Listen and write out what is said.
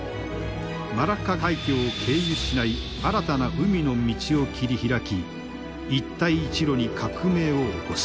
マラッカ海峡を経由しない新たな海の道を切り開き一帯一路に革命を起こす。